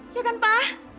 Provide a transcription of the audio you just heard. ya kan pak